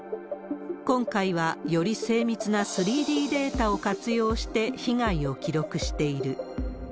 今回は、より精密な３Ｄデータを活用して被害を記録している。